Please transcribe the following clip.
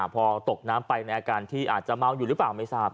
พอตกน้ำไปในอาการที่อาจจะเมาอยู่หรือเปล่าไม่ทราบ